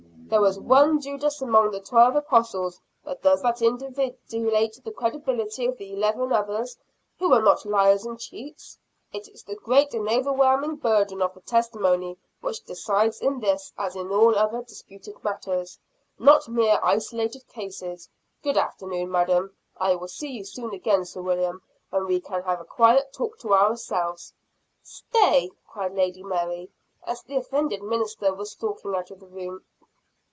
There was one Judas among the twelve apostles, but does that invalidate the credibility of the eleven others, who were not liars and cheats? It is the great and overwhelming burden of the testimony which decides in this as in all other disputed matters not mere isolated cases. Good afternoon, madam. I will see you soon again, Sir William, when we can have a quiet talk to ourselves." "Stay!" cried Lady Mary, as the offended minister was stalking out of the room.